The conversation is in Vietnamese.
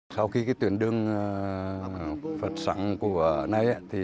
sau khi tuyển đương phật sẵn của này